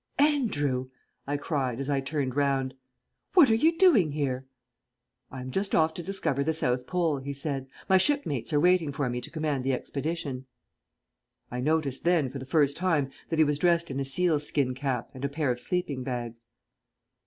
"Andrew!" I cried, as I turned round. "What are you doing here?" "I am just off to discover the South Pole," he said. "My shipmates are waiting for me to command the expedition." I noticed then for the first time that he was dressed in a seal skin cap and a pair of sleeping bags.